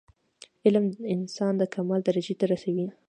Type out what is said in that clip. علم انسان د کمال درجي ته رسوي.